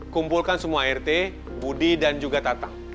kumpulkan semua rt budi dan juga tatang